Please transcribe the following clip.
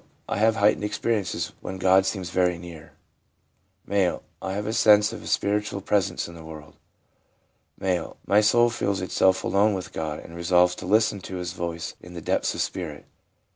I have heightened experiences when God seems very near/ M. ' I have a sense of a spiritual presence in the world/ M. ' My soul feels itself alone with God, and resolves to listen to His voice in the depths of spirit.